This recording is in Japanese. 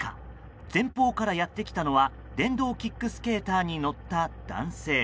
前方からやってきたのは電動キックスケーターに乗った男性。